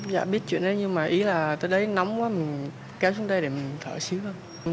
dạ biết chuyện đấy nhưng mà ý là tới đấy nóng quá mình kéo xuống đây để mình thở xíu thôi